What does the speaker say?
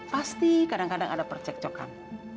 pasti kadang kadang ada percek cokan